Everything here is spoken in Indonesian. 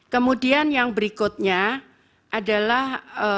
kemudian yang berikutnya adalah